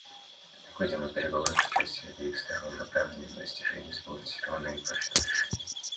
Необходимы переговоры с участием обеих сторон, направленные на достижение сбалансированного и прочного решения.